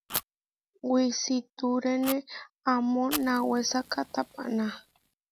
Wisitúrene amó nawésaka tapaná.